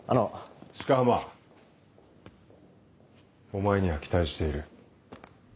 お前には期待している。